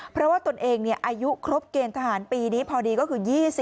เพราะว่าตนเองอายุครบเกณฑ์ทหารปีนี้พอดีก็คือ๒๐